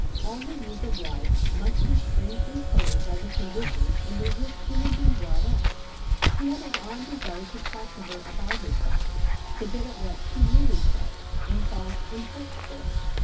All her views of life must be strangely coloured by the conditions under which she had been brought up. He had an odd desire to talk to her about herself — to get at what she really felt, and thought, and hoped for.